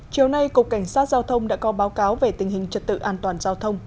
chiều nay cục cảnh sát giao thông đã có báo cáo về tình hình trật tự an toàn giao thông